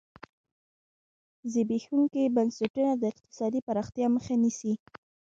زبېښونکي بنسټونه د اقتصادي پراختیا مخه نیسي.